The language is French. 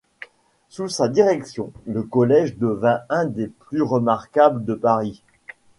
Sous sa direction, le Collège devint un des plus remarquables de Paris.